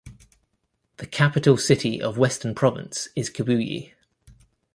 The capital city of Western Province is Kibuye.